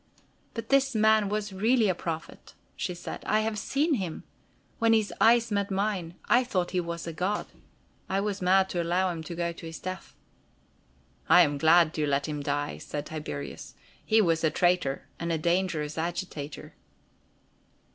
"But this man was really a prophet," she said. "I have seen him. When his eyes met mine, I thought he was a god. I was mad to allow him to go to his death." "I am glad you let him die," said Tiberius. "He was a traitor and a dangerous agitator."